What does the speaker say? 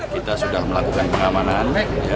kita sudah melakukan pengamanan